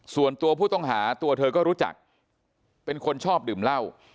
ส่วนตัวผู้ต้องหาตัวเธอก็รู้จักเป็นคนชอบดื่มเหล้า